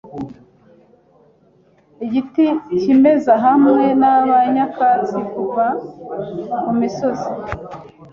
igiti cyimeza hamwe naba nyakatsi Kuva kumisozi